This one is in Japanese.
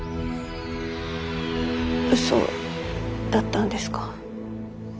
うそだったんですか？